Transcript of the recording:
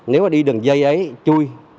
nếu mà đi đường dây ấy chui